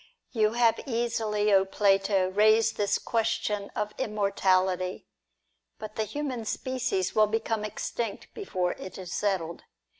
" You have easily, Plato, raised this question of i88 DIALOGUE BETWEEN immortality ; but the human species will become extinct before it is settled.